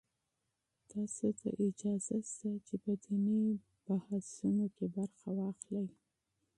تاسو ته اجازه شته چې په دیني بحثونو کې برخه واخلئ.